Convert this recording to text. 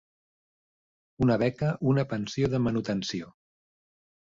Una beca, una pensió de manutenció.